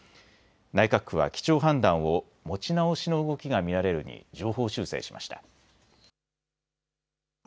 内閣府は基調判断を持ち直しの動きが見られるに上方修正しました。